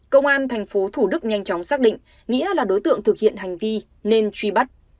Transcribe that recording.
công an tp thủ đức nhanh chóng xác định nghĩa là đối tượng thực hiện hành vi nên truy bắt